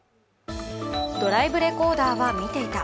ドライブレコーダーは見ていた。